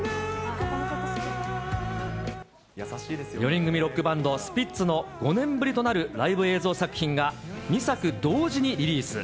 ４人組ロックバンド、スピッツの５年ぶりとなるライブ映像作品が２作同時にリリース。